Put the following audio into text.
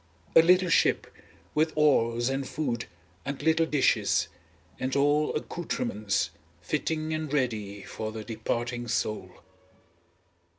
A little ship, with oars and food and little dishes, and all accoutrements fitting and ready for the departing soul.